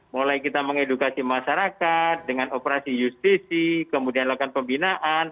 mulai kita mengedukasi masyarakat dengan operasi justisi kemudian lakukan pembinaan